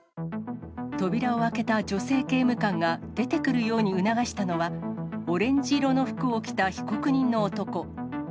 扉を開けた女性刑務官が出てくるように促したのは、オレンジ色の服を着た被告人の男。